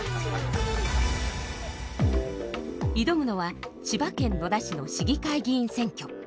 挑むのは千葉県野田市の市議会議員選挙。